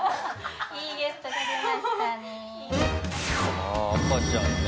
ああ赤ちゃんね。